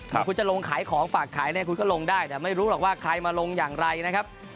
คุณจะลงขายของฝากขายเนี่ยคุณก็ลงได้แต่ไม่รู้หรอกว่าใครมาลงอย่างไรนะครับ